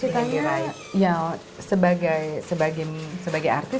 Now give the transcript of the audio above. cita citanya sebagai artis